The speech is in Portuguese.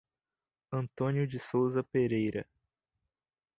Antônio de Sousa Pereira